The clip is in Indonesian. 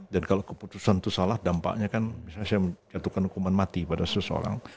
dan kalau keputusan itu salah dampaknya kan misalnya saya mengatakan hukuman mati pada seseorang